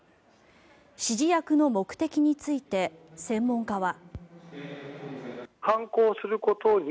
指示役の目的について専門家は。